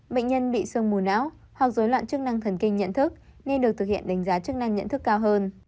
bệnh nhân bị sương mù não hoặc dối loạn chức năng thần kinh nhận thức nên được thực hiện đánh giá chức năng nhận thức cao hơn